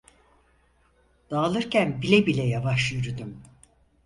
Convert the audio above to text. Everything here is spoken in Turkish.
Dağılırken bile bile yavaş yürüdüm.